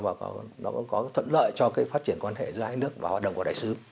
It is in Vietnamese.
và nó có thuận lợi cho cái phát triển quan hệ giữa hai nước và hoạt động của đại sứ